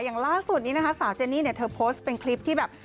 อย่างล่าสุดนี้นะคะสาวเจนี่เนี่ยเธอโพสต์เป็นคลิปที่แบบ